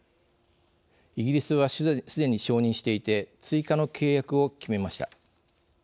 イギリスは、すでに承認していて追加の契約を決めました。